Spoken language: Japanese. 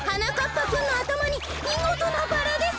ぱくんのあたまにみごとなバラです。